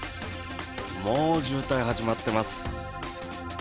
もう渋滞が始まっています。